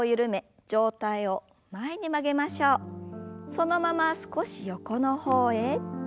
そのまま少し横の方へ。